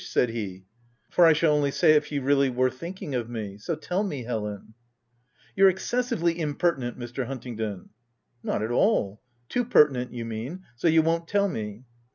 said he — "for I shall only say it if you really were thinking of me. So tell me, Helen. You're^ excessively impertinent, Mr. Hunt ingdon \ n " Not at all — too pertinent, you mean— so you won't tell me?